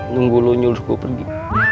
nunggu lo nyuruh gue pergi